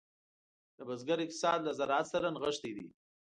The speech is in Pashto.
د بزګر اقتصاد له زراعت سره نغښتی دی.